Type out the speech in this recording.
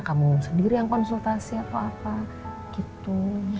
kamu sendiri yang konsultasi atau apa gitu